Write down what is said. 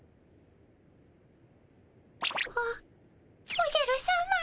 おおじゃるさま。